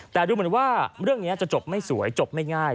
แต่ดูเหมือนว่าเรื่องนี้จะจบไม่สวยจบไม่ง่าย